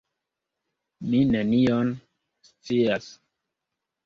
Mi nenion scias.